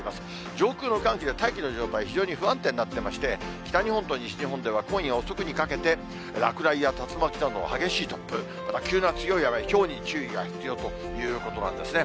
上空の寒気の状態、非常に不安定になってまして、北日本と西日本では今夜遅くにかけて、落雷や竜巻などの激しい突風、また急な強い雨、ひょうに注意が必要ということなんですね。